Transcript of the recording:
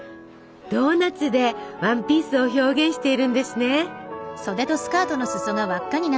ドーナツでワンピースを表現しているんですね。